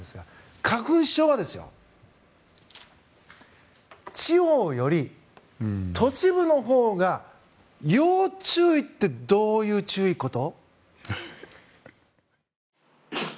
花粉症は地方より都市部のほうが要注意って、どういうこと？